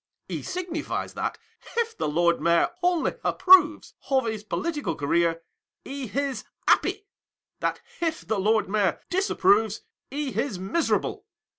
He signifies that, if the Lord Mayor only approves of his political career, he is happy ; that if the Lord Mayor disapproves, he is miserable.